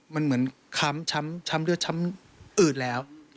มันเหมือนค้ำด้วยช้ำอืดแล้ว